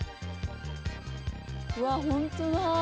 うわ本当だ！